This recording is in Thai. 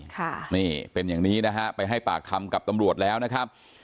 ค่ะนี่เป็นอย่างนี้นะฮะไปให้ปากคำกับตำรวจแล้วนะครับ